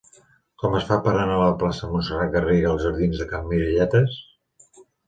Com es fa per anar de la plaça de Montserrat Garriga als jardins de Can Miralletes?